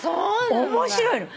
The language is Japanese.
面白いの。